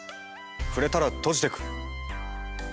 触れたら閉じてく。